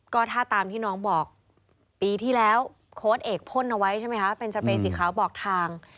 ก็ถ้าตามที่น้องบอกปีที่แล้วโค้ดเอกพ่นเอาไว้ใช่ไหมคะเป็นสเปรย์สีขาวบอกทาง